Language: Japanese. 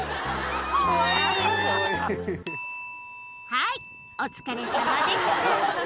はい、お疲れさまでした。